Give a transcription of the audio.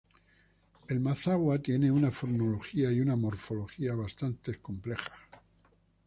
El mazahua tiene una fonología y una morfología bastante complejas.